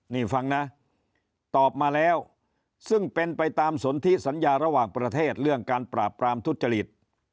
นี่ฟังนะตอบมาแล้วซึ่งเป็นไปตามสนทิสัญญาระหว่างประเทศเรื่องการปราบปรามทุจริต